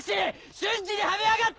瞬時にはめやがって！